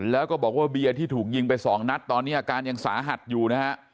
แล้วก็บอกว่าเบียร์ที่ถูกยิงไปสองนัดตอนนี้อาการยังสาหัสอยู่นะฮะ